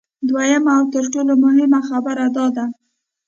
دویمه او تر ټولو مهمه خبره دا ده